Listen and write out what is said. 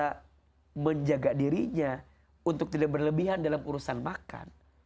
kita menjaga dirinya untuk tidak berlebihan dalam urusan makan